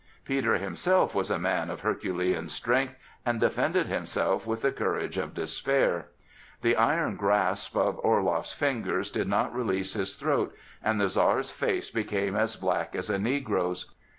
Peter himself was a man of herculean strength, and defended himself with the courage of despair. The iron grasp of Orloff's fingers did not release his throat, and the Czar's face became as black as a negro's.